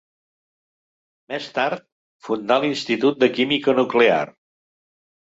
Més tard fundà l'Institut de Química Nuclear.